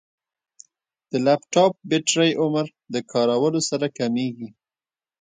د لپټاپ بیټرۍ عمر د کارولو سره کمېږي.